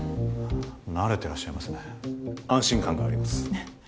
慣れてらっしゃいますね安心感があります